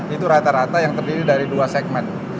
itu rata rata yang terdiri dari dua segmen